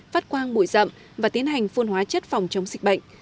phát quang bụi rậm và tiến hành phun hóa chất phòng chống dịch bệnh